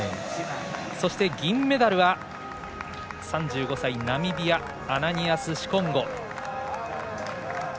そして銀メダルは３５歳、ナミビアアナニアス・シコンゴ。